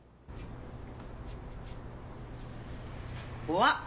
うわ！